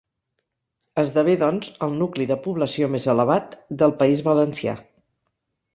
Esdevé doncs el nucli de població més elevat del País Valencià.